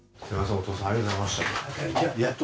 お父さんありがとうございました。